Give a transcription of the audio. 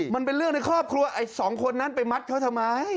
มันเป็นเรื่องในครอบครัวไอ้สองคนนั้นไปมัดเขาทำไม